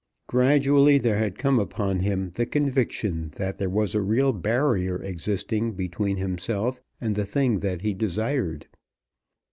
Gradually there had come upon him the conviction that there was a real barrier existing between himself and the thing that he desired.